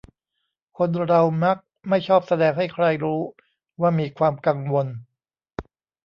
คนเรามักไม่ชอบแสดงให้ใครรู้ว่ามีความกังวล